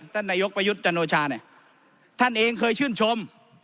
นายกประยุทธ์จันโอชาเนี่ยท่านเองเคยชื่นชม